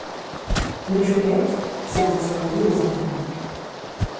L'échauguette, c'est pour surveiller les environs.